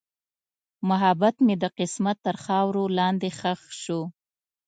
محبت مې د قسمت تر خاورو لاندې ښخ شو.